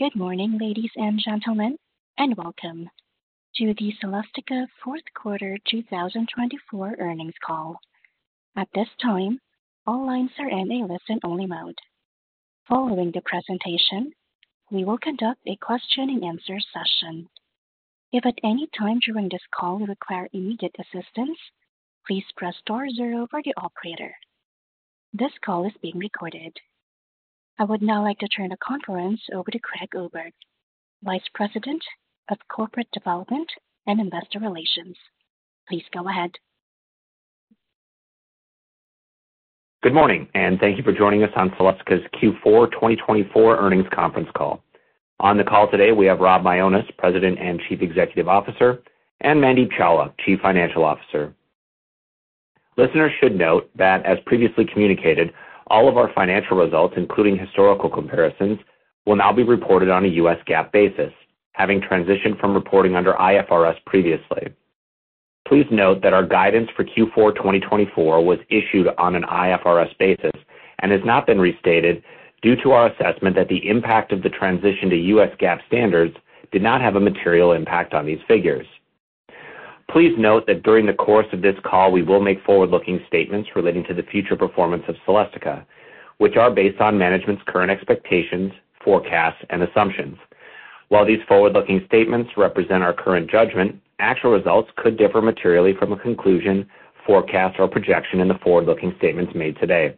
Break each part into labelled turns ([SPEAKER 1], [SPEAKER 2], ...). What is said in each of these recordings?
[SPEAKER 1] Good morning, ladies and gentlemen, and welcome to the Celestica Fourth Quarter 2024 earnings call. At this time, all lines are in a listen-only mode. Following the presentation, we will conduct a question-and-answer session. If at any time during this call you require immediate assistance, please press star zero for the operator. This call is being recorded. I would now like to turn the conference over to Craig Oberg, Vice President of Corporate Development and Investor Relations. Please go ahead.
[SPEAKER 2] Good morning, and thank you for joining us on Celestica's Q4 2024 earnings conference call. On the call today, we have Rob Mionis, President and Chief Executive Officer, and Mandeep Chawla, Chief Financial Officer. Listeners should note that, as previously communicated, all of our financial results, including historical comparisons, will now be reported on a US GAAP basis, having transitioned from reporting under IFRS previously. Please note that our guidance for Q4 2024 was issued on an IFRS basis and has not been restated due to our assessment that the impact of the transition to US GAAP standards did not have a material impact on these figures. Please note that during the course of this call, we will make forward-looking statements relating to the future performance of Celestica, which are based on management's current expectations, forecasts, and assumptions. While these forward-looking statements represent our current judgment, actual results could differ materially from a conclusion, forecast, or projection in the forward-looking statements made today.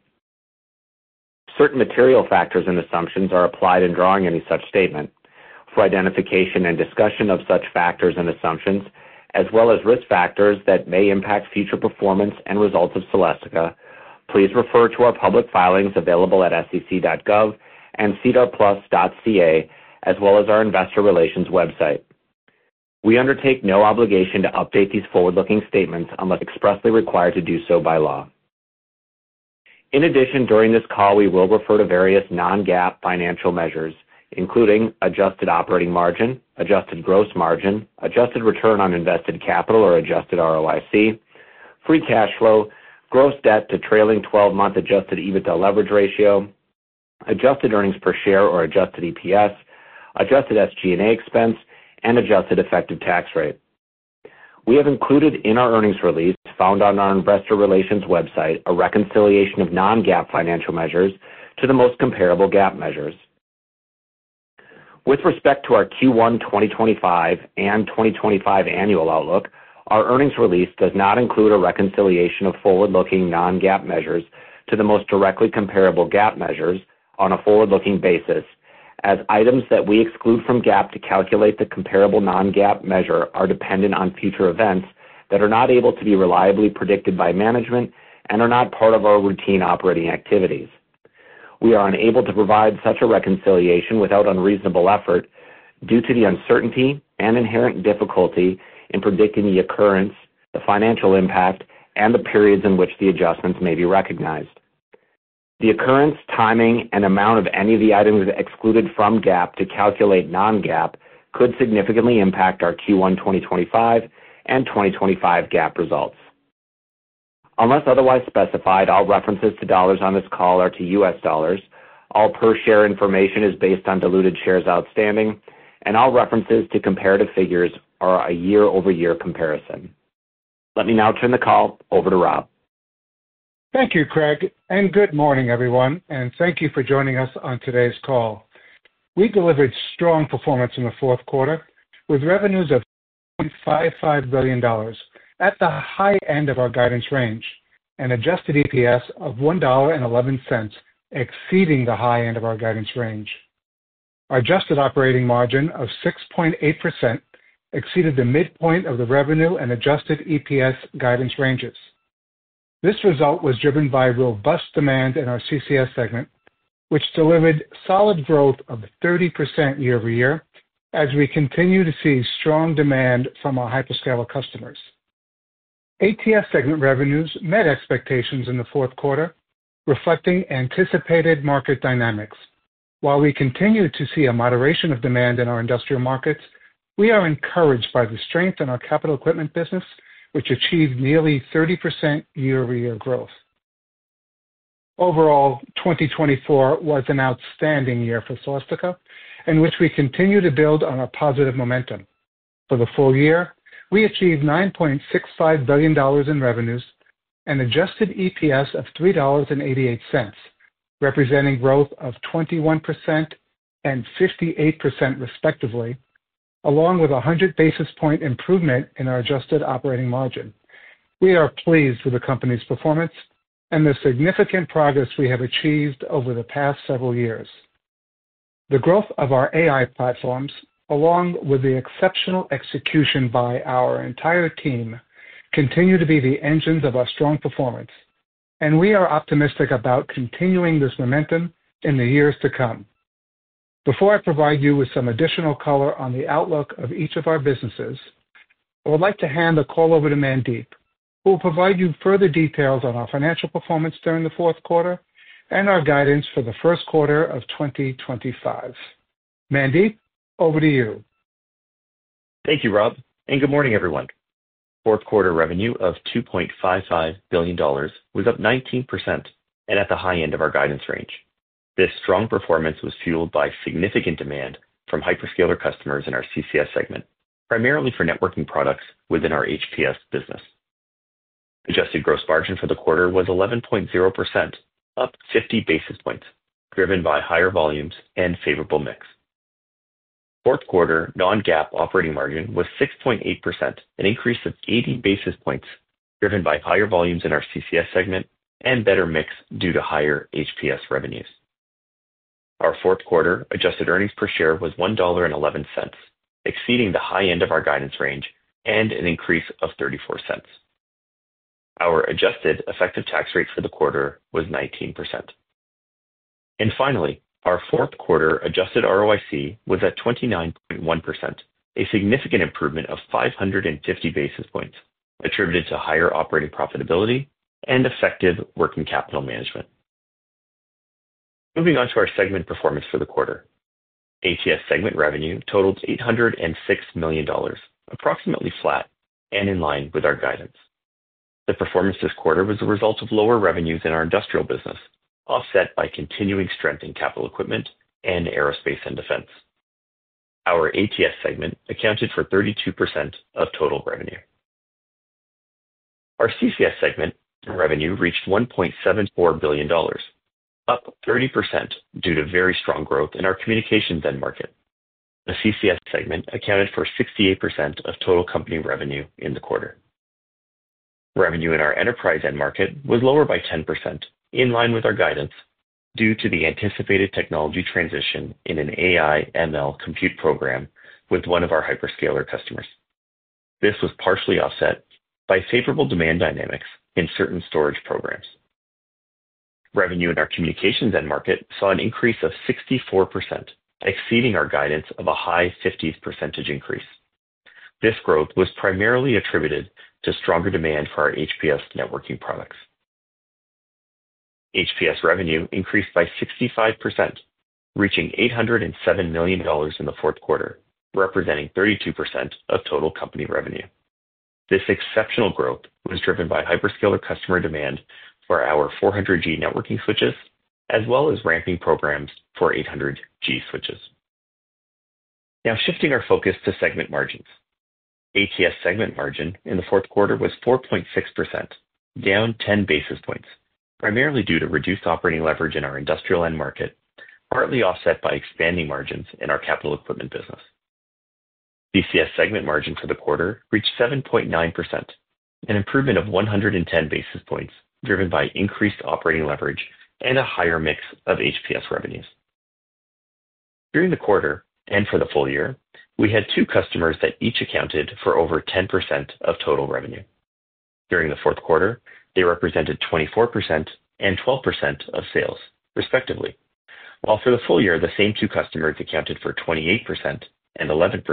[SPEAKER 2] Certain material factors and assumptions are applied in drawing any such statement. For identification and discussion of such factors and assumptions, as well as risk factors that may impact future performance and results of Celestica, please refer to our public filings available at sec.gov and sedarplus.ca, as well as our investor relations website. We undertake no obligation to update these forward-looking statements unless expressly required to do so by law. In addition, during this call, we will refer to various non-GAAP financial measures, including adjusted operating margin, adjusted gross margin, adjusted return on invested capital or adjusted ROIC, free cash flow, gross debt to trailing 12-month adjusted EBITDA leverage ratio, adjusted earnings per share or adjusted EPS, adjusted SG&A expense, and adjusted effective tax rate. We have included in our earnings release found on our investor relations website a reconciliation of non-GAAP financial measures to the most comparable GAAP measures. With respect to our Q1 2025 and 2025 annual outlook, our earnings release does not include a reconciliation of forward-looking non-GAAP measures to the most directly comparable GAAP measures on a forward-looking basis, as items that we exclude from GAAP to calculate the comparable non-GAAP measure are dependent on future events that are not able to be reliably predicted by management and are not part of our routine operating activities. We are unable to provide such a reconciliation without unreasonable effort due to the uncertainty and inherent difficulty in predicting the occurrence, the financial impact, and the periods in which the adjustments may be recognized. The occurrence, timing, and amount of any of the items excluded from GAAP to calculate non-GAAP could significantly impact our Q1 2025 and 2025 GAAP results. Unless otherwise specified, all references to dollars on this call are to US dollars, all per-share information is based on diluted shares outstanding, and all references to comparative figures are a year-over-year comparison. Let me now turn the call over to Rob.
[SPEAKER 3] Thank you, Craig, and good morning, everyone, and thank you for joining us on today's call. We delivered strong performance in the fourth quarter with revenues of $5.5 billion at the high end of our guidance range and adjusted EPS of $1.11, exceeding the high end of our guidance range. Our adjusted operating margin of 6.8% exceeded the midpoint of the revenue and adjusted EPS guidance ranges. This result was driven by robust demand in our CCS segment, which delivered solid growth of 30% year-over-year as we continue to see strong demand from our hyperscaler customers. ATS segment revenues met expectations in the fourth quarter, reflecting anticipated market dynamics. While we continue to see a moderation of demand in our industrial markets, we are encouraged by the strength in our capital equipment business, which achieved nearly 30% year-over-year growth. Overall, 2024 was an outstanding year for Celestica, in which we continue to build on our positive momentum. For the full year, we achieved $9.65 billion in revenues and adjusted EPS of $3.88, representing growth of 21% and 58%, respectively, along with a 100 basis point improvement in our adjusted operating margin. We are pleased with the company's performance and the significant progress we have achieved over the past several years. The growth of our AI platforms, along with the exceptional execution by our entire team, continue to be the engines of our strong performance, and we are optimistic about continuing this momentum in the years to come. Before I provide you with some additional color on the outlook of each of our businesses, I would like to hand the call over to Mandeep, who will provide you with further details on our financial performance during the fourth quarter and our guidance for the first quarter of 2025. Mandeep, over to you.
[SPEAKER 4] Thank you, Rob, and good morning, everyone. Fourth quarter revenue of $2.55 billion was up 19% and at the high end of our guidance range. This strong performance was fueled by significant demand from hyperscaler customers in our CCS segment, primarily for networking products within our HPS business. Adjusted gross margin for the quarter was 11.0%, up 50 basis points, driven by higher volumes and favorable mix. Fourth quarter non-GAAP operating margin was 6.8%, an increase of 80 basis points, driven by higher volumes in our CCS segment and better mix due to higher HPS revenues. Our fourth quarter adjusted earnings per share was $1.11, exceeding the high end of our guidance range and an increase of $0.34. Our adjusted effective tax rate for the quarter was 19%. And finally, our fourth quarter adjusted ROIC was at 29.1%, a significant improvement of 550 basis points attributed to higher operating profitability and effective working capital management. Moving on to our segment performance for the quarter, ATS segment revenue totaled $806 million, approximately flat and in line with our guidance. The performance this quarter was the result of lower revenues in our industrial business, offset by continuing strength in capital equipment and aerospace and defense. Our ATS segment accounted for 32% of total revenue. Our CCS segment revenue reached $1.74 billion, up 30% due to very strong growth in our communications end market. The CCS segment accounted for 68% of total company revenue in the quarter. Revenue in our enterprise end market was lower by 10%, in line with our guidance, due to the anticipated technology transition in an AI/ML compute program with one of our hyperscaler customers. This was partially offset by favorable demand dynamics in certain storage programs. Revenue in our communications end market saw an increase of 64%, exceeding our guidance of a high 50s percentage increase. This growth was primarily attributed to stronger demand for our HPS networking products. HPS revenue increased by 65%, reaching $807 million in the fourth quarter, representing 32% of total company revenue. This exceptional growth was driven by hyperscaler customer demand for our 400G networking switches, as well as ramping programs for 800G switches. Now, shifting our focus to segment margins, ATS segment margin in the fourth quarter was 4.6%, down 10 basis points, primarily due to reduced operating leverage in our industrial end market, partly offset by expanding margins in our capital equipment business. CCS segment margin for the quarter reached 7.9%, an improvement of 110 basis points, driven by increased operating leverage and a higher mix of HPS revenues. During the quarter and for the full year, we had two customers that each accounted for over 10% of total revenue. During the fourth quarter, they represented 24% and 12% of sales, respectively, while for the full year, the same two customers accounted for 28% and 11%,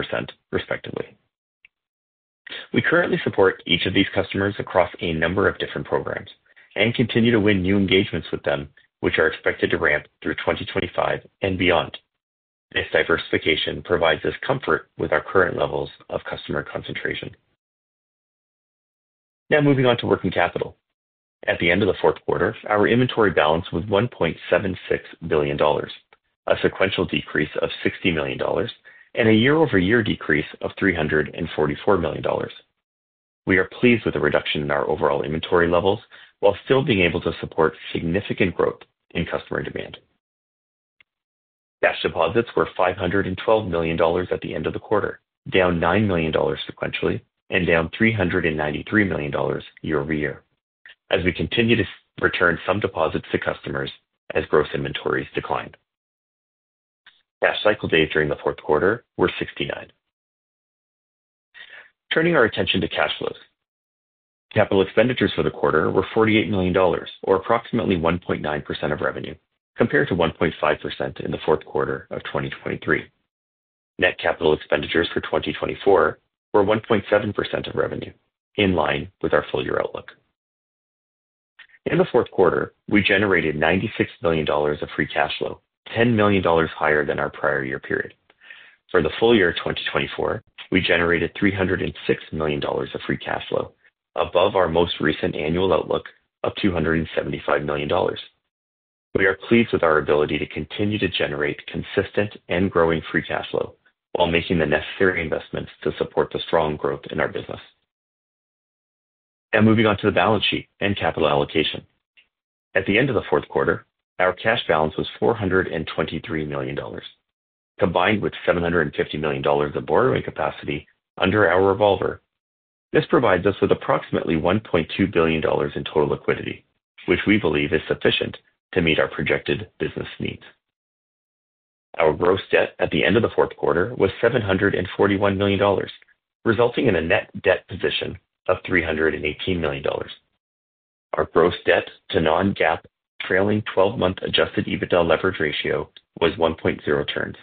[SPEAKER 4] respectively. We currently support each of these customers across a number of different programs and continue to win new engagements with them, which are expected to ramp through 2025 and beyond. This diversification provides us comfort with our current levels of customer concentration. Now, moving on to working capital. At the end of the fourth quarter, our inventory balance was $1.76 billion, a sequential decrease of $60 million, and a year-over-year decrease of $344 million. We are pleased with the reduction in our overall inventory levels while still being able to support significant growth in customer demand. Cash deposits were $512 million at the end of the quarter, down $9 million sequentially, and down $393 million year-over-year, as we continued to return some deposits to customers as gross inventories declined. Cash cycle days during the fourth quarter were 69. Turning our attention to cash flows, capital expenditures for the quarter were $48 million, or approximately 1.9% of revenue, compared to 1.5% in the fourth quarter of 2023. Net capital expenditures for 2024 were 1.7% of revenue, in line with our full-year outlook. In the fourth quarter, we generated $96 million of free cash flow, $10 million higher than our prior year period. For the full year of 2024, we generated $306 million of free cash flow, above our most recent annual outlook of $275 million. We are pleased with our ability to continue to generate consistent and growing free cash flow while making the necessary investments to support the strong growth in our business. Now, moving on to the balance sheet and capital allocation. At the end of the fourth quarter, our cash balance was $423 million. Combined with $750 million of borrowing capacity under our revolver, this provides us with approximately $1.2 billion in total liquidity, which we believe is sufficient to meet our projected business needs. Our gross debt at the end of the fourth quarter was $741 million, resulting in a net debt position of $318 million. Our gross debt to non-GAAP trailing 12-month adjusted EBITDA leverage ratio was 1.0 turns,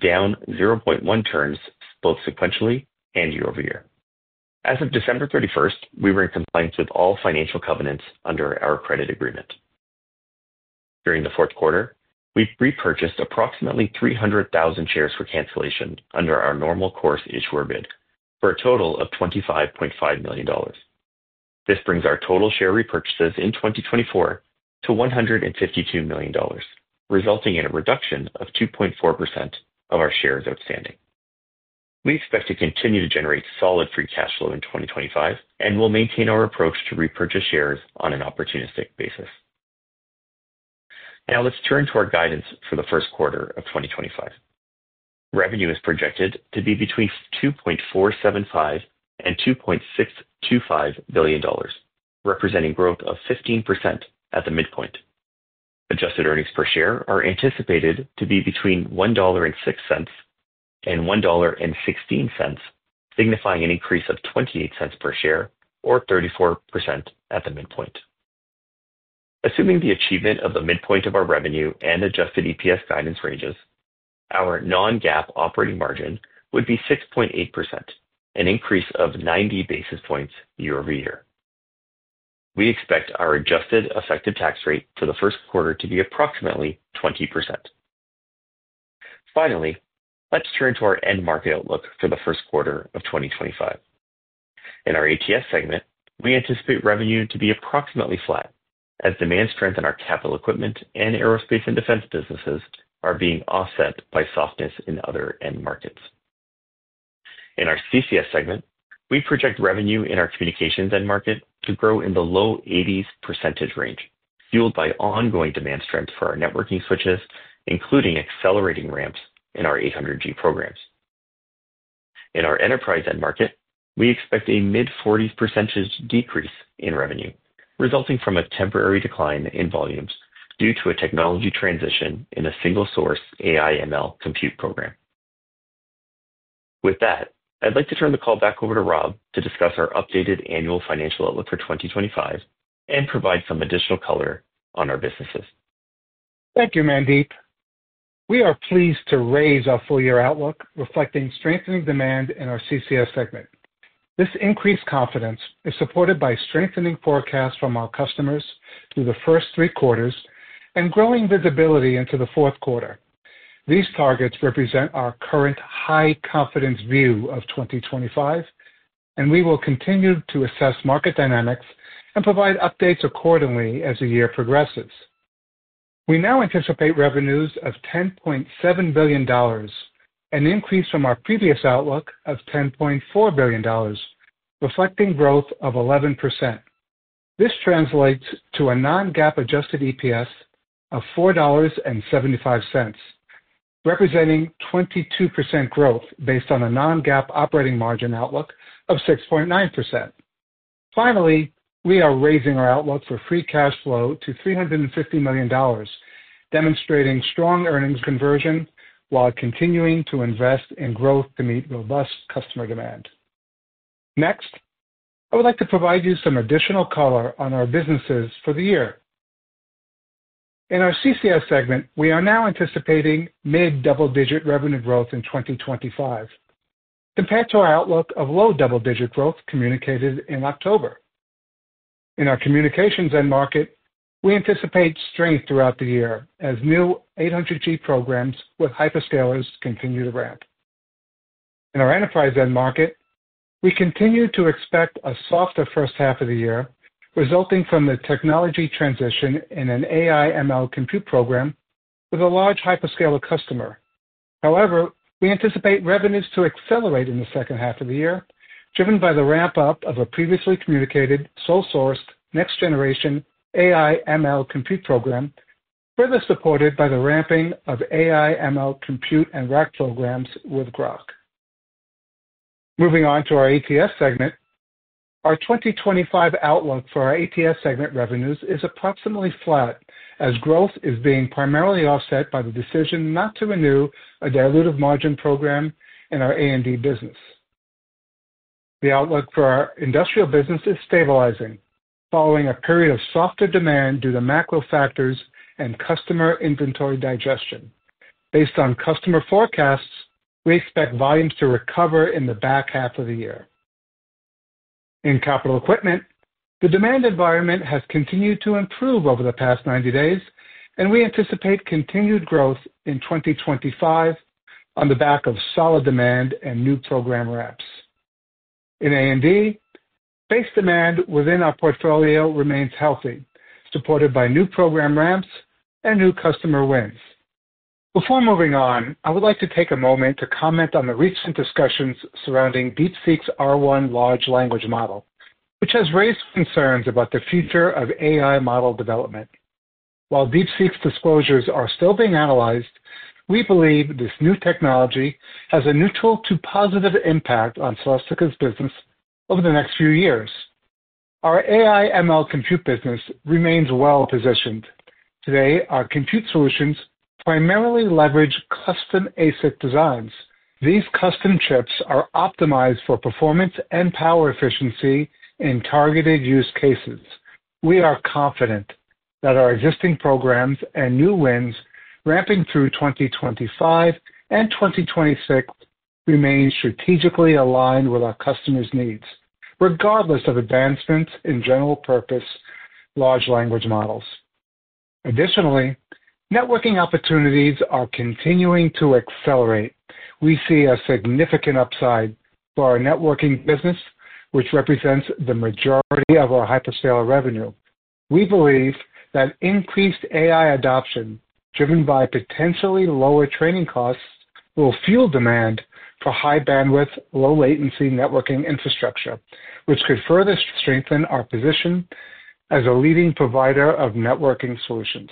[SPEAKER 4] down 0.1 turns both sequentially and year-over-year. As of December 31st, we were in compliance with all financial covenants under our credit agreement. During the fourth quarter, we repurchased approximately 300,000 shares for cancellation under our normal course issuer bid for a total of $25.5 million. This brings our total share repurchases in 2024 to $152 million, resulting in a reduction of 2.4% of our shares outstanding. We expect to continue to generate solid free cash flow in 2025 and will maintain our approach to repurchase shares on an opportunistic basis. Now, let's turn to our guidance for the first quarter of 2025. Revenue is projected to be between $2.475 and $2.625 billion, representing growth of 15% at the midpoint. Adjusted earnings per share are anticipated to be between $1.06 and $1.16, signifying an increase of $0.28 per share or 34% at the midpoint. Assuming the achievement of the midpoint of our revenue and adjusted EPS guidance ranges, our non-GAAP operating margin would be 6.8%, an increase of 90 basis points year-over-year. We expect our adjusted effective tax rate for the first quarter to be approximately 20%. Finally, let's turn to our end market outlook for the first quarter of 2025. In our ATS segment, we anticipate revenue to be approximately flat, as demand strength in our capital equipment and aerospace and defense businesses are being offset by softness in other end markets. In our CCS segment, we project revenue in our communications end market to grow in the low-80s% range, fueled by ongoing demand strength for our networking switches, including accelerating ramps in our 800G programs. In our enterprise end market, we expect a mid-40s% decrease in revenue, resulting from a temporary decline in volumes due to a technology transition in a single-source AI/ML compute program. With that, I'd like to turn the call back over to Rob to discuss our updated annual financial outlook for 2025 and provide some additional color on our businesses.
[SPEAKER 3] Thank you, Mandeep. We are pleased to raise our full-year outlook, reflecting strengthening demand in our CCS segment. This increased confidence is supported by strengthening forecasts from our customers through the first three quarters and growing visibility into the fourth quarter. These targets represent our current high confidence view of 2025, and we will continue to assess market dynamics and provide updates accordingly as the year progresses. We now anticipate revenues of $10.7 billion, an increase from our previous outlook of $10.4 billion, reflecting growth of 11%. This translates to a non-GAAP adjusted EPS of $4.75, representing 22% growth based on a non-GAAP operating margin outlook of 6.9%. Finally, we are raising our outlook for free cash flow to $350 million, demonstrating strong earnings conversion while continuing to invest in growth to meet robust customer demand. Next, I would like to provide you with some additional color on our businesses for the year. In our CCS segment, we are now anticipating mid-double-digit revenue growth in 2025, compared to our outlook of low double-digit growth communicated in October. In our communications end market, we anticipate strength throughout the year as new 800G programs with hyperscalers continue to ramp. In our enterprise end market, we continue to expect a softer first half of the year, resulting from the technology transition in an AI/ML compute program with a large hyperscaler customer. However, we anticipate revenues to accelerate in the second half of the year, driven by the ramp-up of a previously communicated sole-sourced next-generation AI/ML compute program, further supported by the ramping of AI/ML compute and rack programs with Groq. Moving on to our ATS segment, our 2025 outlook for our ATS segment revenues is approximately flat, as growth is being primarily offset by the decision not to renew a dilutive margin program in our A&D business. The outlook for our industrial business is stabilizing, following a period of softer demand due to macro factors and customer inventory digestion. Based on customer forecasts, we expect volumes to recover in the back half of the year. In capital equipment, the demand environment has continued to improve over the past 90 days, and we anticipate continued growth in 2025 on the back of solid demand and new program ramps. In A&D, base demand within our portfolio remains healthy, supported by new program ramps and new customer wins. Before moving on, I would like to take a moment to comment on the recent discussions surrounding DeepSeek's R1 large language model, which has raised concerns about the future of AI model development. While DeepSeek's disclosures are still being analyzed, we believe this new technology has a neutral to positive impact on Celestica's business over the next few years. Our AI/ML compute business remains well-positioned. Today, our compute solutions primarily leverage custom ASIC designs. These custom chips are optimized for performance and power efficiency in targeted use cases. We are confident that our existing programs and new wins ramping through 2025 and 2026 remain strategically aligned with our customers' needs, regardless of advancements in general-purpose large language models. Additionally, networking opportunities are continuing to accelerate. We see a significant upside for our networking business, which represents the majority of our hyperscaler revenue. We believe that increased AI adoption, driven by potentially lower training costs, will fuel demand for high-bandwidth, low-latency networking infrastructure, which could further strengthen our position as a leading provider of networking solutions.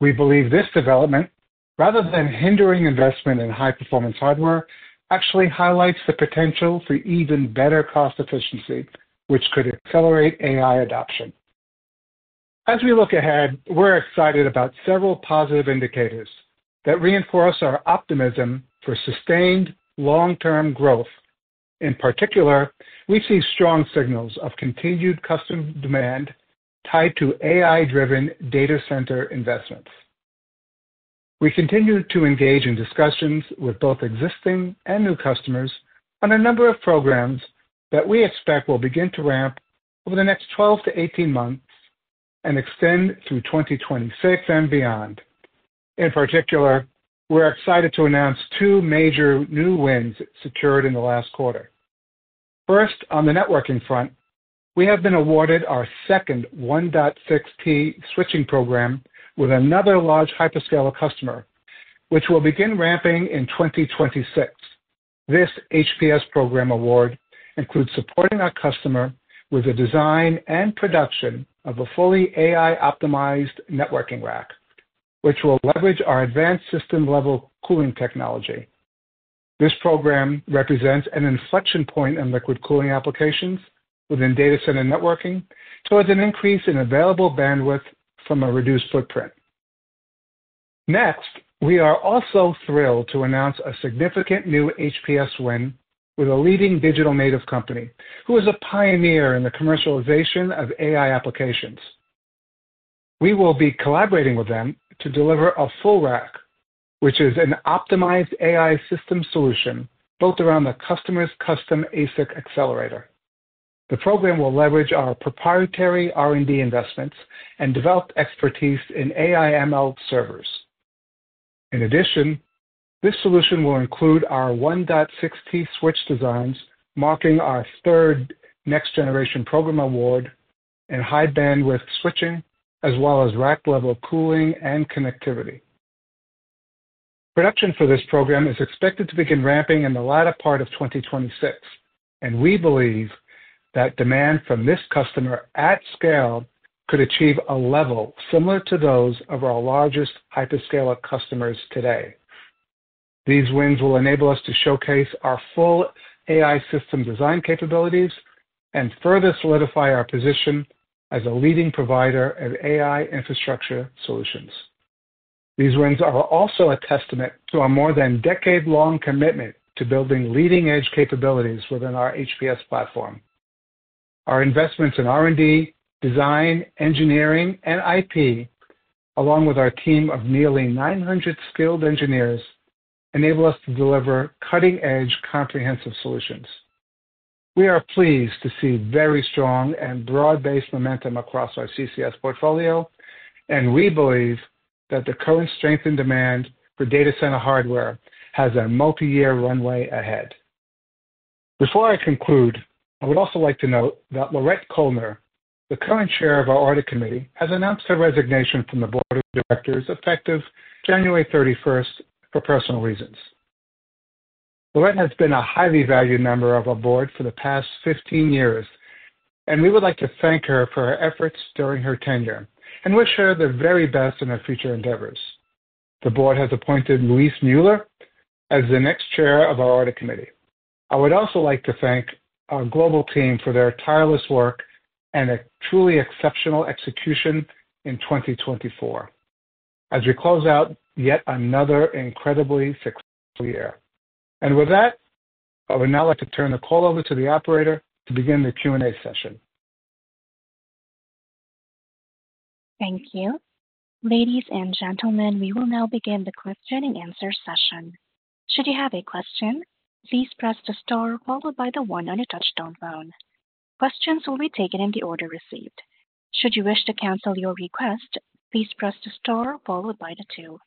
[SPEAKER 3] We believe this development, rather than hindering investment in high-performance hardware, actually highlights the potential for even better cost efficiency, which could accelerate AI adoption. As we look ahead, we're excited about several positive indicators that reinforce our optimism for sustained long-term growth. In particular, we see strong signals of continued customer demand tied to AI-driven data center investments. We continue to engage in discussions with both existing and new customers on a number of programs that we expect will begin to ramp over the next 12 to 18 months and extend through 2026 and beyond. In particular, we're excited to announce two major new wins secured in the last quarter. First, on the networking front, we have been awarded our second 1.6T switching program with another large hyperscaler customer, which will begin ramping in 2026. This HPS program award includes supporting our customer with the design and production of a fully AI-optimized networking rack, which will leverage our advanced system-level cooling technology. This program represents an inflection point in liquid cooling applications within data center networking towards an increase in available bandwidth from a reduced footprint. Next, we are also thrilled to announce a significant new HPS win with a leading digital native company who is a pioneer in the commercialization of AI applications. We will be collaborating with them to deliver a full rack, which is an optimized AI system solution built around the customer's custom ASIC accelerator. The program will leverage our proprietary R&D investments and developed expertise in AI/ML servers. In addition, this solution will include our 1.6T switch designs marking our third next-generation program award in high-bandwidth switching, as well as rack-level cooling and connectivity. Production for this program is expected to begin ramping in the latter part of 2026, and we believe that demand from this customer at scale could achieve a level similar to those of our largest hyperscaler customers today. These wins will enable us to showcase our full AI system design capabilities and further solidify our position as a leading provider of AI infrastructure solutions. These wins are also a testament to our more than decade-long commitment to building leading-edge capabilities within our HPS platform. Our investments in R&D, design, engineering, and IP, along with our team of nearly 900 skilled engineers, enable us to deliver cutting-edge comprehensive solutions. We are pleased to see very strong and broad-based momentum across our CCS portfolio, and we believe that the current strengthened demand for data center hardware has a multi-year runway ahead. Before I conclude, I would also like to note that Laurette Koellner, the current chair of our audit committee, has announced her resignation from the board of directors effective January 31st for personal reasons. Laurette has been a highly valued member of our board for the past 15 years, and we would like to thank her for her efforts during her tenure and wish her the very best in her future endeavors. The board has appointed Luis Müller as the next chair of our audit committee. I would also like to thank our global team for their tireless work and a truly exceptional execution in 2024, as we close out yet another incredibly successful year. With that, I would now like to turn the call over to the operator to begin the Q&A session.
[SPEAKER 1] Thank you. Ladies and gentlemen, we will now begin the question and answer session. Should you have a question, please press the star followed by the one on your touch-tone phone. Questions will be taken in the order received. Should you wish to cancel your request, please press the star followed by the two.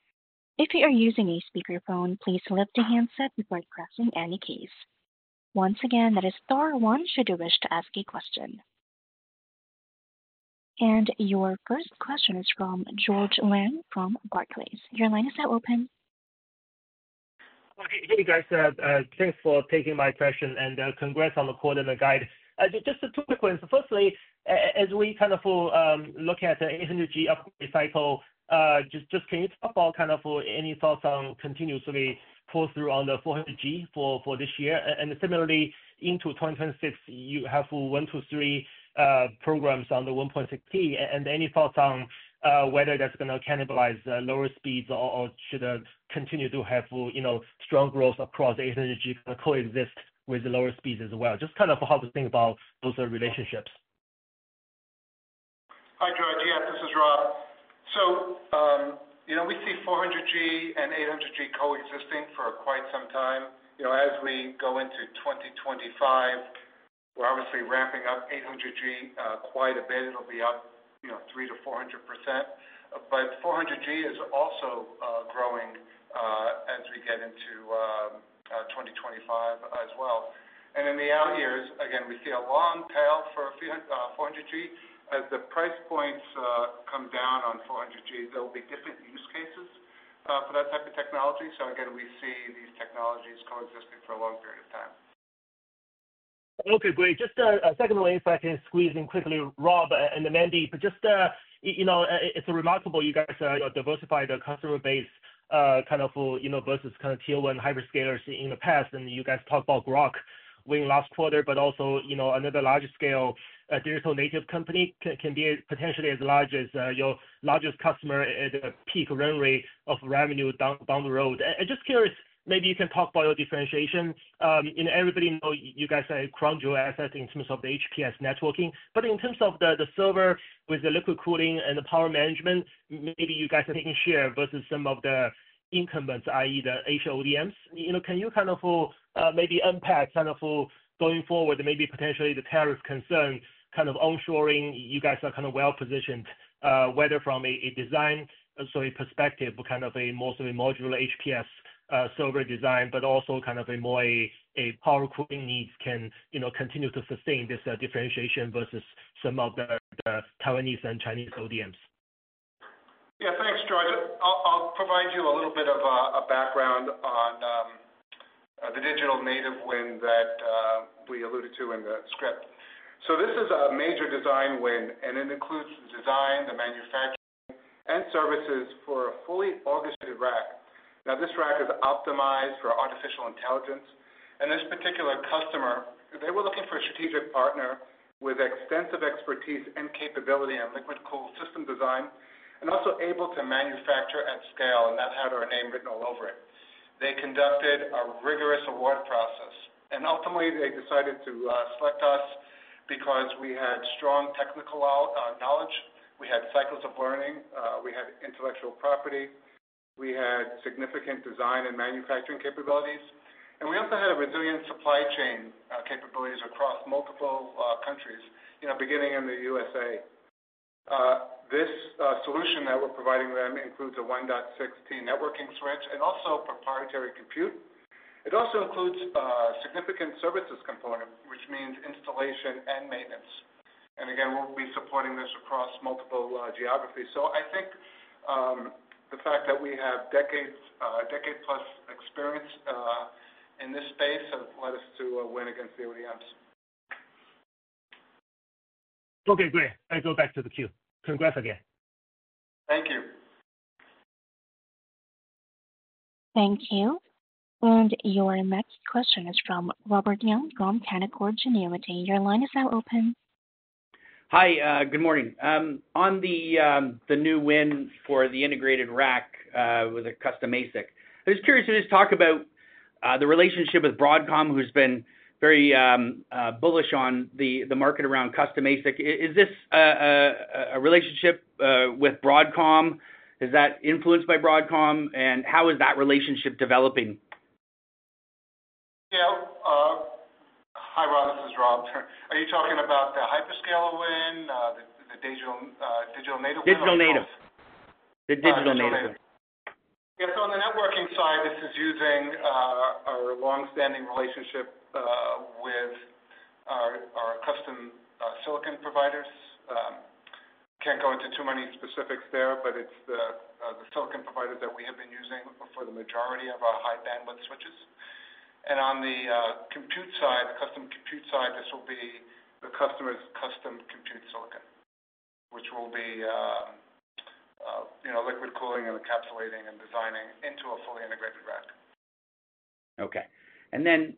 [SPEAKER 1] If you are using a speakerphone, please lift the handset before pressing any keys. Once again, that is star one should you wish to ask a question. And your first question is from George Wang from Barclays. Your line is now open.
[SPEAKER 5] Okay, hey guys, thanks for taking my question and congrats on the quote and the guide. Just two quick questions. Firstly, as we kind of look at the 800G upgrade cycle, just can you talk about kind of any thoughts on continuously pull through on the 400G for this year? And similarly, into 2026, you have one, two, three programs on the 1.6T. And any thoughts on whether that's going to cannibalize lower speeds or should continue to have strong growth across 800G coexist with the lower speeds as well? Just kind of how to think about those relationships.
[SPEAKER 3] Hi, George. Yes, this is Rob. So we see 400G and 800G coexisting for quite some time. As we go into 2025, we're obviously ramping up 800G quite a bit. It'll be up 300%-400%. But 400G is also growing as we get into 2025 as well. And in the out years, again, we see a long tail for 400G. As the price points come down on 400G, there will be different use cases for that type of technology. So again, we see these technologies coexisting for a long period of time.
[SPEAKER 5] Okay, great. Just a second, if I can squeeze in quickly, Rob and Mandeep, just it's remarkable you guys are diversified customer base kind of versus kind of tier one hyperscalers in the past. And you guys talked about Groq win last quarter, but also another large-scale digital native company can be potentially as large as your largest customer at the peak runway of revenue down the road. I'm just curious, maybe you can talk about your differentiation. Everybody knows you guys are a crown jewel asset in terms of the HPS networking. But in terms of the server with the liquid cooling and the power management, maybe you guys are taking share versus some of the incumbents, i.e., the Asia ODMs. Can you kind of maybe unpack kind of going forward, maybe potentially the tariff concern, kind of ensuring you guys are kind of well-positioned, whether from a design perspective, kind of a more of a modular HPS server design, but also kind of a more power cooling needs can continue to sustain this differentiation versus some of the Taiwanese and Chinese ODMs?
[SPEAKER 3] Yeah, thanks, George. I'll provide you a little bit of a background on the digital native win that we alluded to in the script. So this is a major design win, and it includes the design, the manufacturing, and services for a fully orchestrated rack. Now, this rack is optimized for artificial intelligence. And this particular customer, they were looking for a strategic partner with extensive expertise and capability on liquid cooling system design and also able to manufacture at scale and not have our name written all over it. They conducted a rigorous award process. And ultimately, they decided to select us because we had strong technical knowledge, we had cycles of learning, we had intellectual property, we had significant design and manufacturing capabilities, and we also had a resilient supply chain capabilities across multiple countries, beginning in the USA. This solution that we're providing them includes a 1.6T networking switch and also proprietary compute. It also includes a significant services component, which means installation and maintenance. And again, we'll be supporting this across multiple geographies. So I think the fact that we have decade-plus experience in this space has led us to win against the ODMs.
[SPEAKER 5] Okay, great. I'll go back to the queue. Congrats again.
[SPEAKER 1] Thank you. And your next question is from Robert Young from Canaccord Genuity. Your line is now open.
[SPEAKER 6] Hi, good morning. On the new win for the integrated rack with a custom ASIC, I was curious to just talk about the relationship with Broadcom, who's been very bullish on the market around custom ASIC. Is this a relationship with Broadcom? Is that influenced by Broadcom? And how is that relationship developing?
[SPEAKER 3] Yeah. Hi, Rob. This is Rob. Are you talking about the hyperscaler win, the digital native win?
[SPEAKER 6] Digital native. The digital native win.
[SPEAKER 3] Yeah, so on the networking side, this is using our long-standing relationship with our custom silicon providers. Can't go into too many specifics there, but it's the silicon providers that we have been using for the majority of our high-bandwidth switches, and on the compute side, the custom compute side, this will be the customer's custom compute silicon, which will be liquid cooling and encapsulating and designing into a fully integrated rack.
[SPEAKER 6] Okay. And then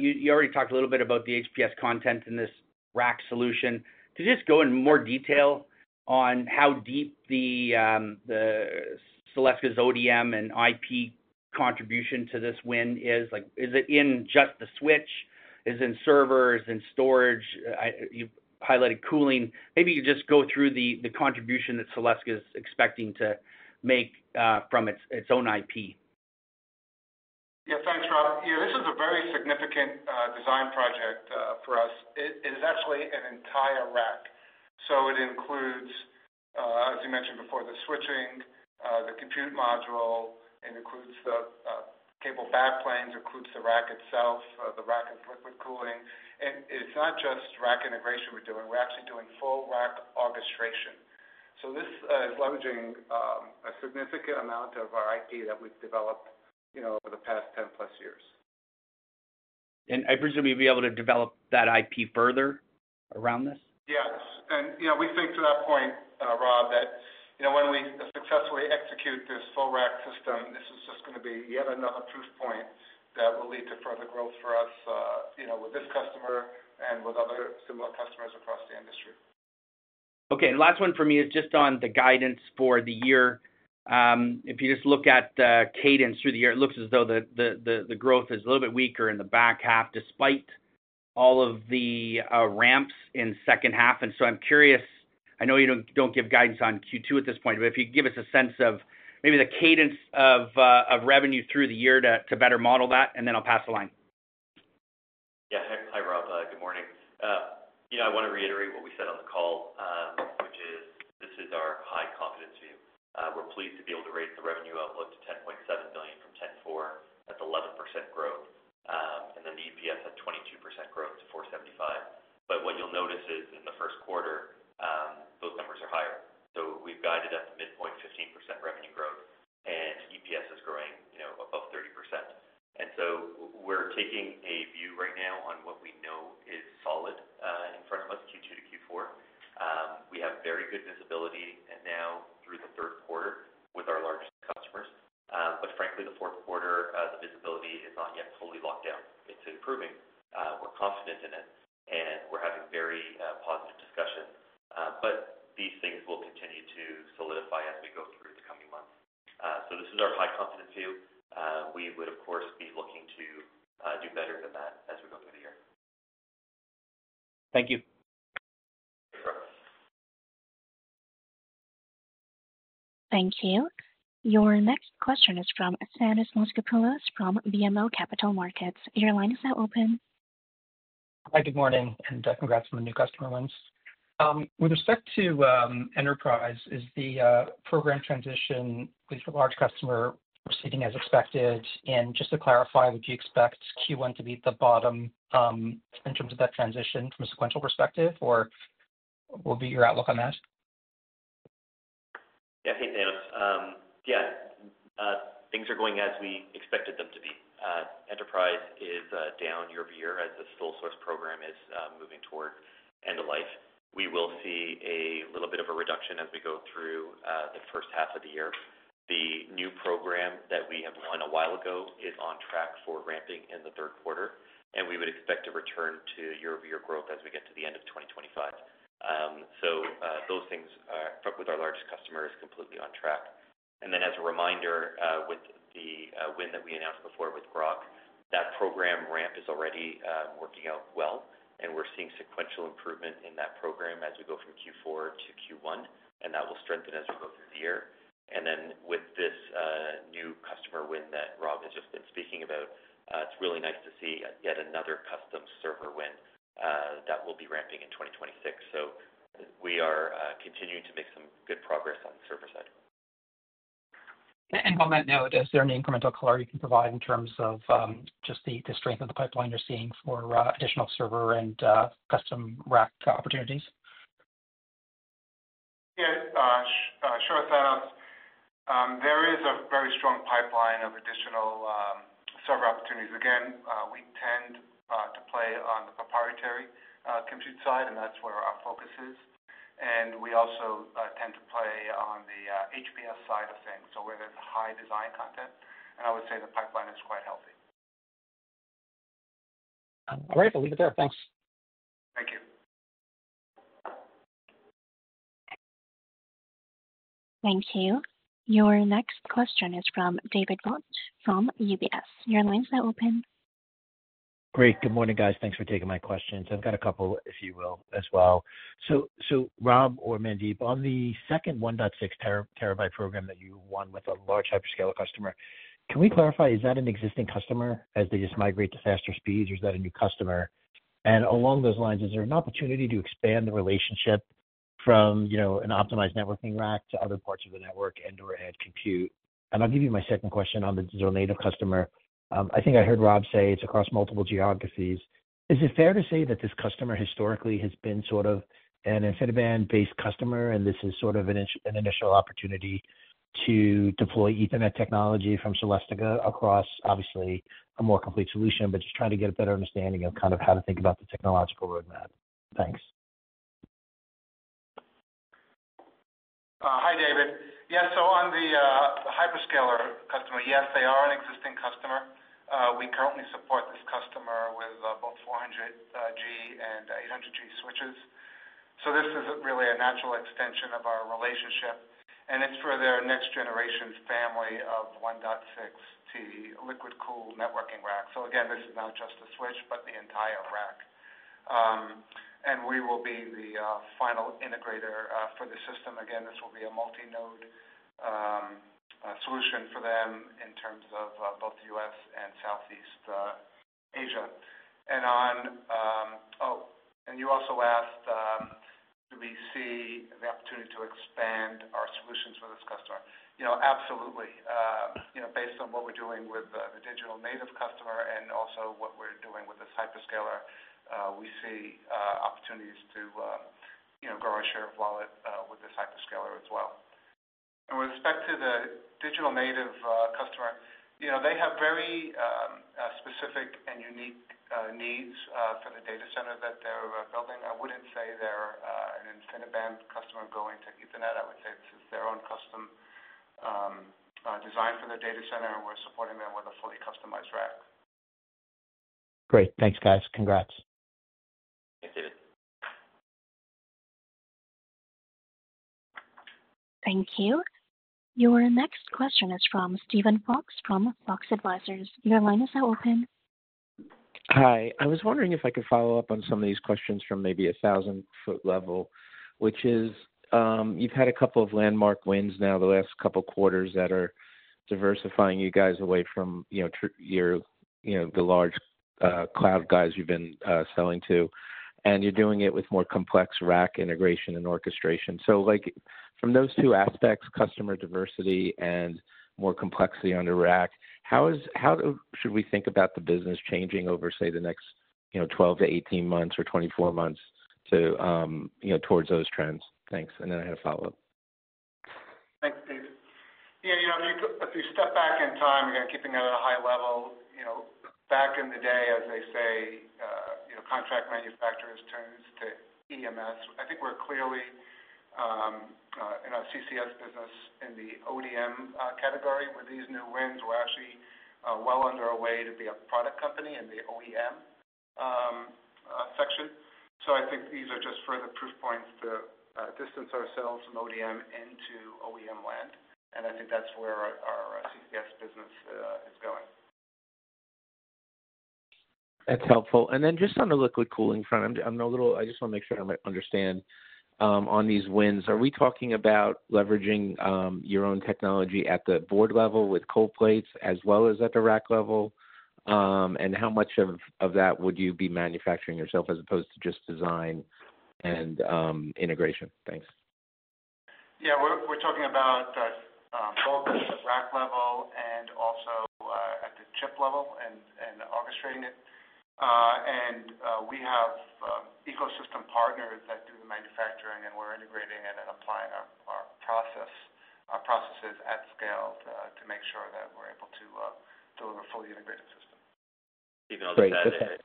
[SPEAKER 6] you already talked a little bit about the HPS content in this rack solution. Could you just go in more detail on how deep Celestica's ODM and IP contribution to this win is? Is it in just the switch? Is it in servers? Is it in storage? You've highlighted cooling. Maybe you could just go through the contribution that Celestica is expecting to make from its own IP.
[SPEAKER 3] Yeah, thanks, Rob. Yeah, this is a very significant design project for us. It is actually an entire rack. So it includes, as you mentioned before, the switching, the compute module, it includes the cable backplanes, it includes the rack itself, the rack of liquid cooling. And it's not just rack integration we're doing. We're actually doing full rack orchestration. So this is leveraging a significant amount of our IP that we've developed over the past 10-plus years.
[SPEAKER 6] I presume you'd be able to develop that IP further around this?
[SPEAKER 3] Yes. And we think to that point, Rob, that when we successfully execute this full rack system, this is just going to be yet another proof point that will lead to further growth for us with this customer and with other similar customers across the industry.
[SPEAKER 6] Okay. And last one for me is just on the guidance for the year. If you just look at the cadence through the year, it looks as though the growth is a little bit weaker in the back half despite all of the ramps in second half. And so I'm curious, I know you don't give guidance on Q2 at this point, but if you could give us a sense of maybe the cadence of revenue through the year to better model that, and then I'll pass the line.
[SPEAKER 4] Yeah. Hi, Rob. Good morning. I want to reiterate what we said on the call, which is this is our high confidence view. We're pleased to be able to raise the revenue outlook to $10.7 billion from $10.4 billion at 11% growth. And then the EPS had 22% growth to $4.75. But what you'll notice is in the first quarter, those numbers are higher. So we've guided at the midpoint, 15% revenue growth, and EPS is growing above 30%. And so we're taking a view right now on what we know is solid in front of us Q2 to Q4. We have very good visibility now through the third quarter with our largest customers. But frankly, the fourth quarter, the visibility is not yet fully locked down. It's improving. We're confident in it, and we're having very positive discussions. But these things will continue to solidify as we go through the coming months. So this is our high confidence view. We would, of course, be looking to do better than that as we go through the year.
[SPEAKER 6] Thank you.
[SPEAKER 1] Thank you. Your next question is from Thanos Moschopoulos from BMO Capital Markets. Your line is now open.
[SPEAKER 7] Hi, good morning, and congrats on the new customer wins. With respect to enterprise, is the program transition with large customer proceeding as expected?, and just to clarify, would you expect Q1 to be at the bottom in terms of that transition from a sequential perspective, or what would be your outlook on that?
[SPEAKER 4] Yeah, hey, Dan. Yeah, things are going as we expected them to be. Enterprise is down year-over-year as the sole source program is moving toward end of life. We will see a little bit of a reduction as we go through the first half of the year. The new program that we have won a while ago is on track for ramping in the third quarter, and we would expect to return to year-over-year growth as we get to the end of 2025. So those things are with our largest customers completely on track. And then as a reminder, with the win that we announced before with Groq, that program ramp is already working out well, and we're seeing sequential improvement in that program as we go from Q4 to Q1, and that will strengthen as we go through the year. And then with this new customer win that Rob has just been speaking about, it's really nice to see yet another custom server win that will be ramping in 2026. So we are continuing to make some good progress on the server side.
[SPEAKER 7] On that note, is there any incremental color you can provide in terms of just the strength of the pipeline you're seeing for additional server and custom rack opportunities?
[SPEAKER 3] Yeah, sure. There is a very strong pipeline of additional server opportunities. Again, we tend to play on the proprietary compute side, and that's where our focus is. And I would say the pipeline is quite healthy.
[SPEAKER 7] Great. I'll leave it there. Thanks.
[SPEAKER 1] Thank you. Your next question is from David Vogt from UBS. Your line is now open.
[SPEAKER 8] Great. Good morning, guys. Thanks for taking my questions. I've got a couple, if you will, as well. So Rob or Mandeep, on the second 1.6 terabyte program that you won with a large hyperscaler customer, can we clarify, is that an existing customer as they just migrate to faster speeds, or is that a new customer? And along those lines, is there an opportunity to expand the relationship from an optimized networking rack to other parts of the network and/or add compute? And I'll give you my second question on the digital native customer. I think I heard Rob say it's across multiple geographies. Is it fair to say that this customer historically has been sort of an InfiniBand-based customer, and this is sort of an initial opportunity to deploy Ethernet technology from Celestica across, obviously, a more complete solution, but just trying to get a better understanding of kind of how to think about the technological roadmap? Thanks.
[SPEAKER 3] Hi, David. Yeah, so on the hyperscaler customer, yes, they are an existing customer. We currently support this customer with both 400G and 800G switches. So this is really a natural extension of our relationship. And it's for their next-generation family of 1.6T liquid-cooled networking racks. So again, this is not just a switch, but the entire rack. And we will be the final integrator for the system. Again, this will be a multi-node solution for them in terms of both US and Southeast Asia. And you also asked, do we see the opportunity to expand our solutions for this customer? Absolutely. Based on what we're doing with the digital native customer and also what we're doing with this hyperscaler, we see opportunities to grow our share of wallet with this hyperscaler as well. And with respect to the digital native customer, they have very specific and unique needs for the data center that they're building. I wouldn't say they're an InfiniBand customer going to Ethernet. I would say this is their own custom design for their data center, and we're supporting them with a fully customized rack.
[SPEAKER 8] Great. Thanks, guys. Congrats.
[SPEAKER 1] Thank you. Your next question is from Steven Fox from Fox Advisors. Your line is now open.
[SPEAKER 9] Hi. I was wondering if I could follow up on some of these questions from maybe a thousand-foot level, which is you've had a couple of landmark wins now the last couple of quarters that are diversifying you guys away from the large cloud guys you've been selling to, and you're doing it with more complex rack integration and orchestration. So from those two aspects, customer diversity and more complexity on the rack, how should we think about the business changing over, say, the next 12-18 months or 24 months towards those trends? Thanks. And then I had a follow-up.
[SPEAKER 3] Thanks. Yeah, if you step back in time, again, keeping that at a high level, back in the day, as they say, contract manufacturers turned to EMS. I think we're clearly in our CCS business in the ODM category. With these new wins, we're actually well underway to be a product company in the OEM section. So I think these are just further proof points to distance ourselves from ODM into OEM land. And I think that's where our CCS business is going.
[SPEAKER 9] That's helpful. And then just on the liquid cooling front, I just want to make sure I understand. On these wins, are we talking about leveraging your own technology at the board level with cold plates, as well as at the rack level? And how much of that would you be manufacturing yourself as opposed to just design and integration? Thanks.
[SPEAKER 3] Yeah. We're talking about both at the rack level and also at the chip level and orchestrating it. And we have ecosystem partners that do the manufacturing, and we're integrating it and applying our processes at scale to make sure that we're able to deliver a fully integrated system.
[SPEAKER 4] Steve, I'll just add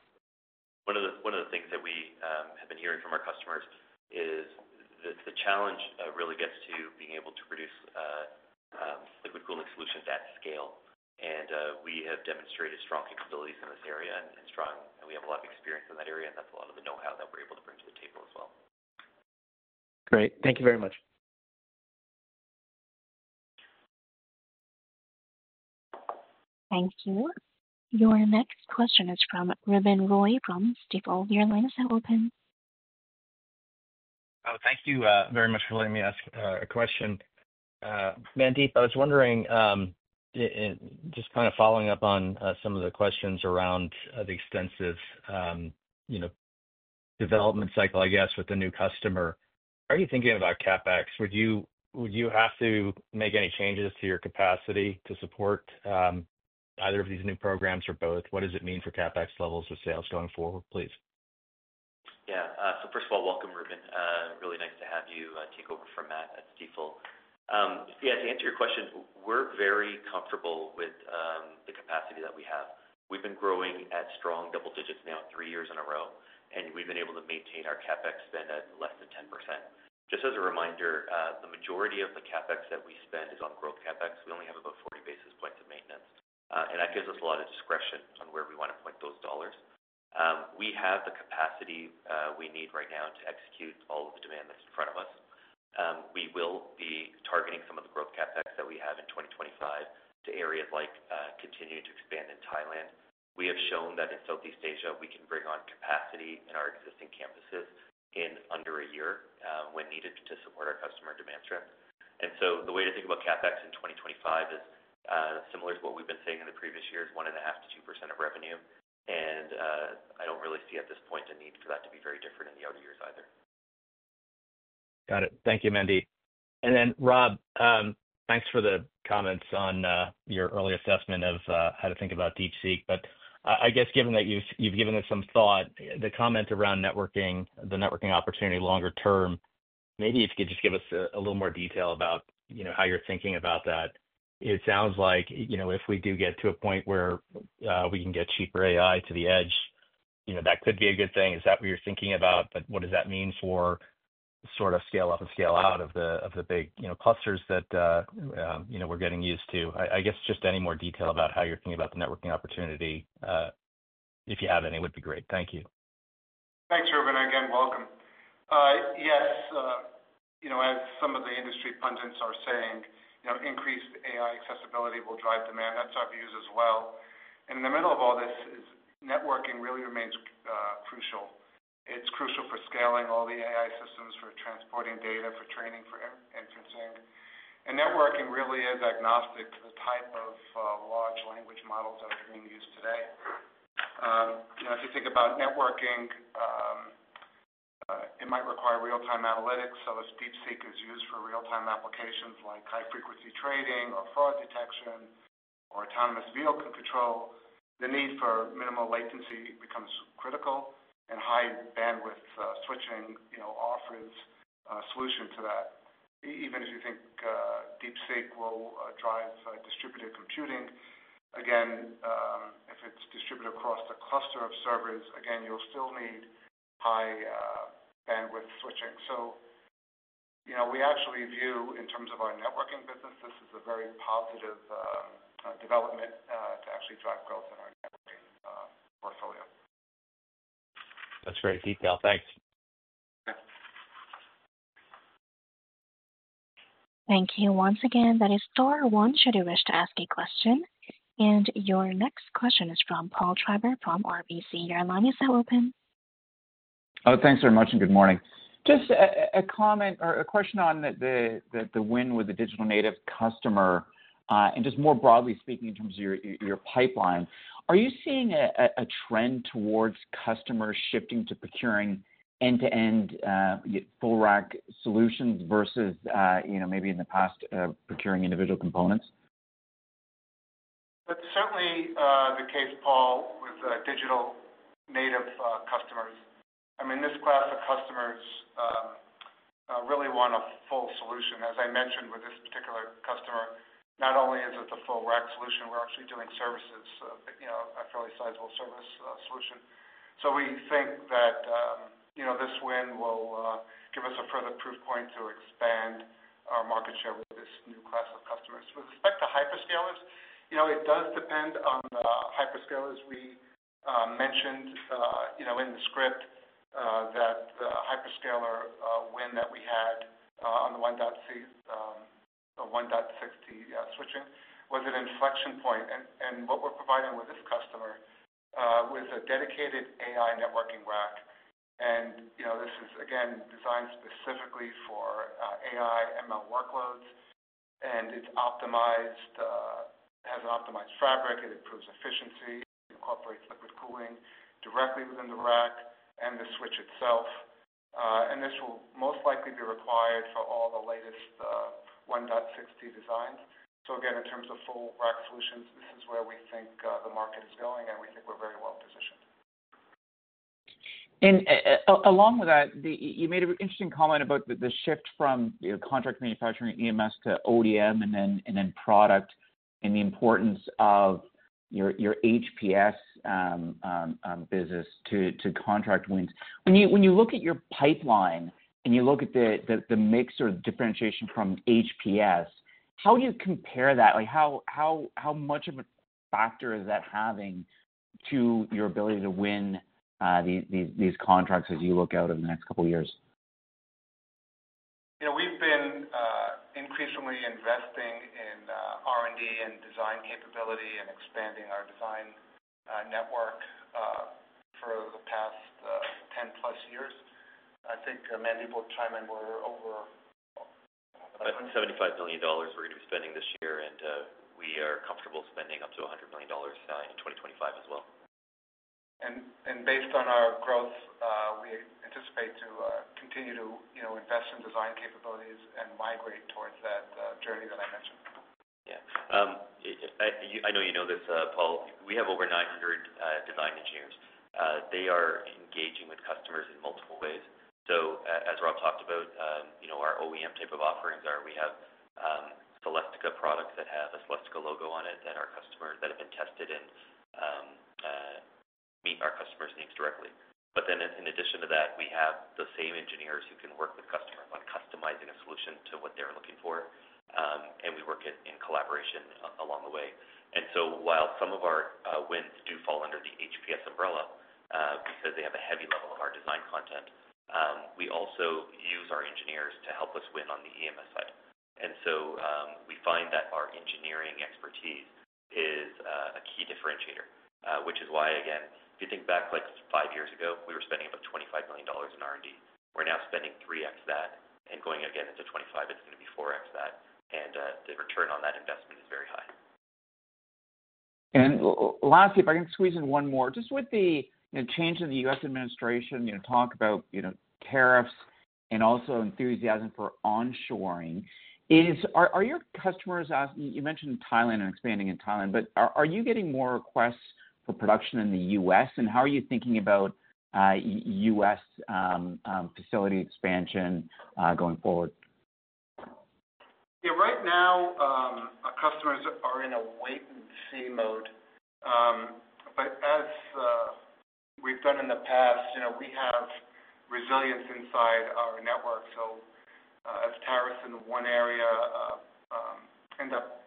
[SPEAKER 4] one of the things that we have been hearing from our customers is that the challenge really gets to being able to produce liquid cooling solutions at scale. And we have demonstrated strong capabilities in this area, and we have a lot of experience in that area, and that's a lot of the know-how that we're able to bring to the table as well.
[SPEAKER 9] Great. Thank you very much.
[SPEAKER 1] Thank you. Your next question is from Ruben Roy from Stifel. Your line is now open.
[SPEAKER 10] Oh, thank you very much for letting me ask a question. Mandeep, I was wondering, just kind of following up on some of the questions around the extensive development cycle, I guess, with the new customer, how are you thinking about CapEx? Would you have to make any changes to your capacity to support either of these new programs or both? What does it mean for CapEx levels with sales going forward, please?
[SPEAKER 4] Yeah. So first of all, welcome, Ruben. Really nice to have you take over from Matt at Stifel. Yeah, to answer your question, we're very comfortable with the capacity that we have. We've been growing at strong double digits now, three years in a row, and we've been able to maintain our CapEx spend at less than 10%. Just as a reminder, the majority of the CapEx that we spend is on growth CapEx. We only have about 40 basis points of maintenance, and that gives us a lot of discretion on where we want to point those dollars. We have the capacity we need right now to execute all of the demand that's in front of us. We will be targeting some of the growth CapEx that we have in 2025 to areas like continuing to expand in Thailand. We have shown that in Southeast Asia, we can bring on capacity in our existing campuses in under a year when needed to support our customer demand strength. And so the way to think about CapEx in 2025 is similar to what we've been seeing in the previous years, 1.5%-2% of revenue. And I don't really see at this point a need for that to be very different in the outer years either.
[SPEAKER 10] Got it. Thank you, Mandeep. And then Rob, thanks for the comments on your early assessment of how to think about DeepSeek. But I guess given that you've given us some thought, the comments around networking, the networking opportunity longer term, maybe if you could just give us a little more detail about how you're thinking about that. It sounds like if we do get to a point where we can get cheaper AI to the edge, that could be a good thing. Is that what you're thinking about? But what does that mean for sort of scale up and scale out of the big clusters that we're getting used to? I guess just any more detail about how you're thinking about the networking opportunity, if you have any, would be great. Thank you.
[SPEAKER 3] Thanks, Ruben. Again, welcome. Yes, as some of the industry pundits are saying, increased AI accessibility will drive demand. That's our views as well. And in the middle of all this, networking really remains crucial. It's crucial for scaling all the AI systems, for transporting data, for training, for inferencing. And networking really is agnostic to the type of large language models that are being used today. If you think about networking, it might require real-time analytics. So if DeepSeek is used for real-time applications like high-frequency trading or fraud detection or autonomous vehicle control, the need for minimal latency becomes critical, and high-bandwidth switching offers a solution to that. Even if you think DeepSeek will drive distributed computing, again, if it's distributed across the cluster of servers, again, you'll still need high-bandwidth switching. We actually view, in terms of our networking business, this is a very positive development to actually drive growth in our networking portfolio.
[SPEAKER 10] That's great detail. Thanks.
[SPEAKER 1] Thank you once again. That is star one should you wish to ask a question, and your next question is from Paul Treiber from RBC. Your line is now open.
[SPEAKER 11] Oh, thanks very much, and good morning. Just a comment or a question on the win with the digital native customer, and just more broadly speaking in terms of your pipeline. Are you seeing a trend towards customers shifting to procuring end-to-end full rack solutions versus maybe in the past procuring individual components?
[SPEAKER 3] That's certainly the case, Paul, with digital native customers. I mean, this class of customers really want a full solution. As I mentioned with this particular customer, not only is it the full rack solution, we're actually doing services, a fairly sizable service solution. So we think that this win will give us a further proof point to expand our market share with this new class of customers. With respect to hyperscalers, it does depend on the hyperscalers. We mentioned in the script that the hyperscaler win that we had on the 1.6T switching was an inflection point. And what we're providing with this customer is a dedicated AI networking rack. And this is, again, designed specifically for AI/ML workloads, and it has an optimized fabric. It improves efficiency. It incorporates liquid cooling directly within the rack and the switch itself. This will most likely be required for all the latest 1.6T designs. Again, in terms of full rack solutions, this is where we think the market is going, and we think we're very well positioned.
[SPEAKER 11] Along with that, you made an interesting comment about the shift from contract manufacturing EMS to ODM and then product and the importance of your HPS business to contract wins. When you look at your pipeline and you look at the mix or the differentiation from HPS, how do you compare that? How much of a factor is that having to your ability to win these contracts as you look out in the next couple of years?
[SPEAKER 3] We've been increasingly investing in R&D and design capability and expanding our design network for the past 10-plus years. I think, Mandeep, we're over.
[SPEAKER 4] About $75 million we're going to be spending this year, and we are comfortable spending up to $100 million in 2025 as well.
[SPEAKER 3] Based on our growth, we anticipate to continue to invest in design capabilities and migrate towards that journey that I mentioned.
[SPEAKER 4] Yeah. I know you know this, Paul. We have over 900 design engineers. They are engaging with customers in multiple ways, so as Rob talked about, our OEM type of offerings are we have Celestica products that have a Celestica logo on it that our customers that have been tested and meet our customers' needs directly, but then in addition to that, we have the same engineers who can work with customers on customizing a solution to what they're looking for, and we work in collaboration along the way, and so while some of our wins do fall under the HPS umbrella because they have a heavy level of our design content, we also use our engineers to help us win on the EMS side. And so we find that our engineering expertise is a key differentiator, which is why, again, if you think back like five years ago, we were spending about $25 million in R&D. We're now spending 3X that, and going again into 2025, it's going to be 4X that. And the return on that investment is very high.
[SPEAKER 11] Lastly, if I can squeeze in one more, just with the change in the U.S. administration, talk about tariffs and also enthusiasm for onshoring, are your customers, you mentioned Thailand and expanding in Thailand, but are you getting more requests for production in the U.S.? And how are you thinking about U.S. facility expansion going forward?
[SPEAKER 3] Yeah. Right now, our customers are in a wait-and-see mode. But as we've done in the past, we have resilience inside our network. So if tariffs in one area end up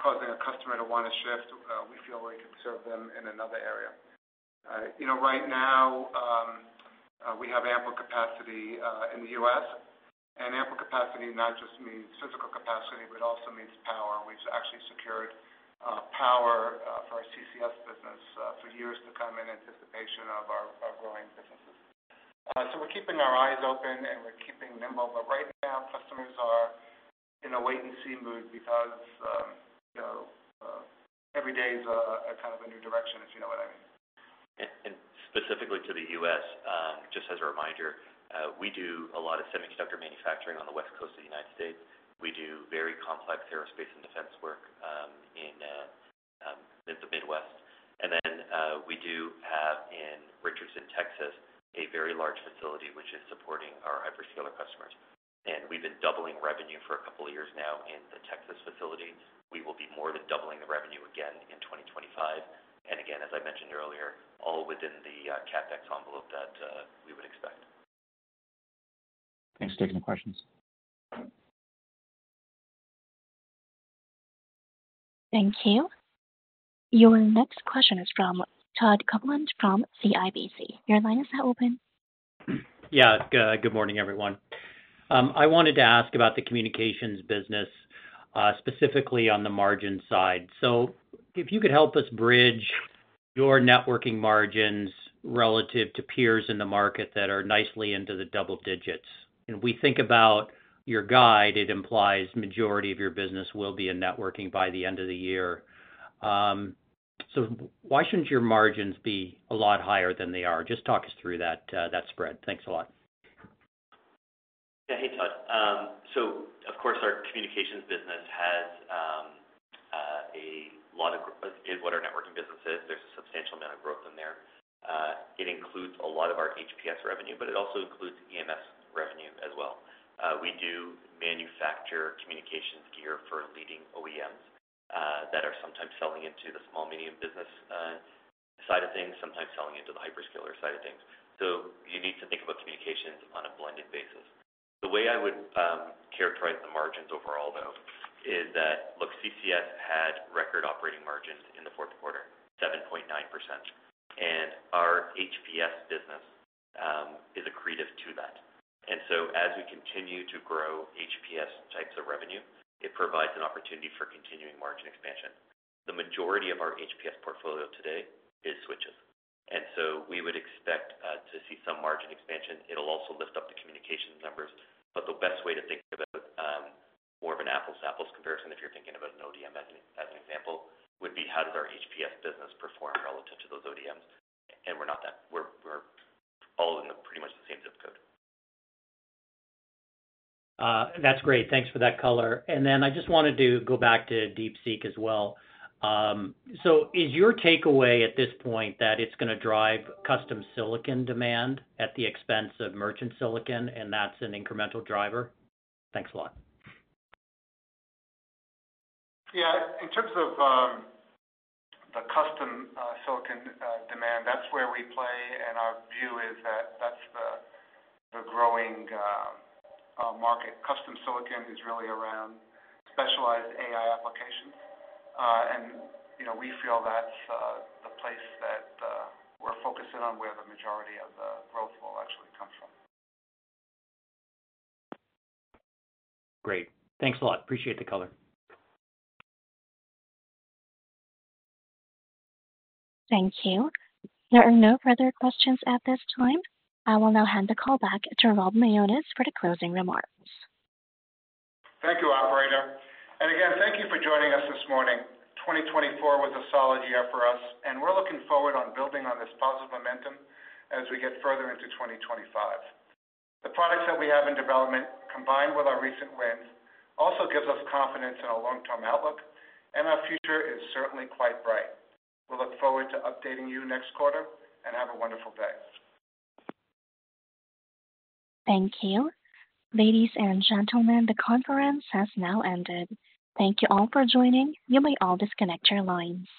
[SPEAKER 3] causing a customer to want to shift, we feel we can serve them in another area. Right now, we have ample capacity in the U.S. And ample capacity not just means physical capacity, but it also means power. We've actually secured power for our CCS business for years to come in anticipation of our growing businesses. So we're keeping our eyes open, and we're keeping nimble. But right now, customers are in a wait-and-see mood because every day is kind of a new direction, if you know what I mean.
[SPEAKER 4] And specifically to the U.S., just as a reminder, we do a lot of semiconductor manufacturing on the West Coast of the United States. We do very complex aerospace and defense work in the Midwest. And then we do have in Richardson, Texas, a very large facility which is supporting our hyperscaler customers. And we've been doubling revenue for a couple of years now in the Texas facility. We will be more than doubling the revenue again in 2025. And again, as I mentioned earlier, all within the CapEx envelope that we would expect.
[SPEAKER 11] Thanks for taking questions.
[SPEAKER 1] Thank you. Your next question is from Todd Coupland from CIBC. Your line is now open.
[SPEAKER 12] Yeah. Good morning, everyone. I wanted to ask about the communications business, specifically on the margin side, so if you could help us bridge your networking margins relative to peers in the market that are nicely into the double digits, and we think about your guide, it implies the majority of your business will be in networking by the end of the year, so why shouldn't your margins be a lot higher than they are? Just talk us through that spread. Thanks a lot.
[SPEAKER 4] Yeah. Hey, Todd. So of course, our communications business has a lot of, in what our networking business is, there's a substantial amount of growth in there. It includes a lot of our HPS revenue, but it also includes EMS revenue as well. We do manufacture communications gear for leading OEMs that are sometimes selling into the small-medium business side of things, sometimes selling into the hyperscaler side of things. So you need to think about communications on a blended basis. The way I would characterize the margins overall, though, is that, look, CCS had record operating margins in the fourth quarter, 7.9%. And our HPS business is accretive to that. And so as we continue to grow HPS types of revenue, it provides an opportunity for continuing margin expansion. The majority of our HPS portfolio today is switches. And so we would expect to see some margin expansion. It'll also lift up the communications numbers. But the best way to think about more of an apples-to-apples comparison, if you're thinking about an ODM as an example, would be how does our HPS business perform relative to those ODMs? And we're all in pretty much the same zip code.
[SPEAKER 12] That's great. Thanks for that color. And then I just wanted to go back to DeepSeek as well. So is your takeaway at this point that it's going to drive custom silicon demand at the expense of merchant silicon, and that's an incremental driver? Thanks a lot.
[SPEAKER 3] Yeah. In terms of the custom silicon demand, that's where we play. Our view is that that's the growing market. Custom silicon is really around specialized AI applications. We feel that's the place that we're focusing on where the majority of the growth will actually come from.
[SPEAKER 12] Great. Thanks a lot. Appreciate the color.
[SPEAKER 1] Thank you. There are no further questions at this time. I will now hand the call back to Rob Mionis for the closing remarks.
[SPEAKER 3] Thank you, operator. And again, thank you for joining us this morning. 2024 was a solid year for us, and we're looking forward to building on this positive momentum as we get further into 2025. The products that we have in development, combined with our recent wins, also give us confidence in our long-term outlook, and our future is certainly quite bright. We'll look forward to updating you next quarter, and have a wonderful day.
[SPEAKER 1] Thank you. Ladies and gentlemen, the conference has now ended. Thank you all for joining. You may all disconnect your lines.